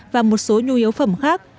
và một số nhu yếu phẩm khác